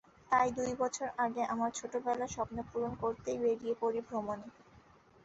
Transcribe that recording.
তাই দুই বছর আগে আমার ছোটবেলার স্বপ্নপূরণ করতেই বেরিয়ে পড়ি ভ্রমণে।